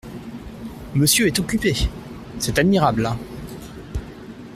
Monsieur est occupé ! c’est admirable !